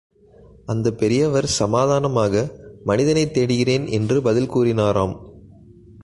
அந்தப் பெரியவர் சாவதானமாக, மனிதனைத் தேடுகிறேன் என்று பதில் கூறினாராம்.